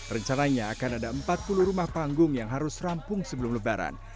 rencananya akan ada empat puluh rumah panggung yang harus rampung sebelum lebaran